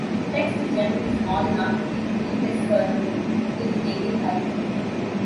The text is generally small enough to be indiscernible to the naked eye.